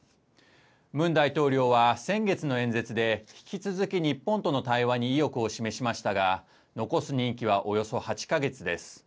ムン大統領は先月の演説で、引き続き日本との対話に意欲を示しましたが、残す任期はおよそ８か月です。